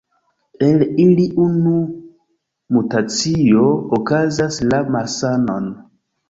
El ili unu mutacio okazas la malsanon.